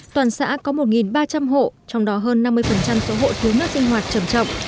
toàn xã có một ba trăm linh hộ trong đó hơn năm mươi số hộ thiếu nước sinh hoạt trầm trọng